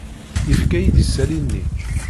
Yefka-iyi-d isali-nni.